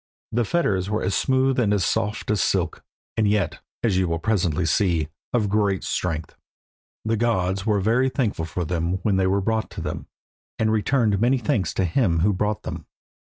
The fetters were as smooth and as soft as silk, and yet, as you will presently see, of great strength. The gods were very thankful for them when they were brought to them, and returned many thanks to him who brought them.